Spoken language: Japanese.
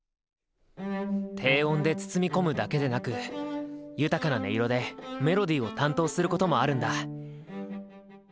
低音で包み込むだけでなく豊かな音色でメロディーを担当することもあるんだ。